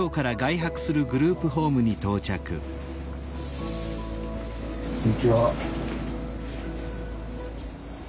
こんにちは。